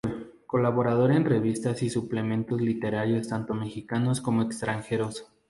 Colaborador en revistas y suplementos literarios tanto mexicanos como extranjeros.